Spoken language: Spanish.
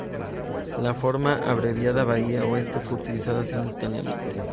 La forma abreviada Bahía Oeste fue utilizado simultáneamente.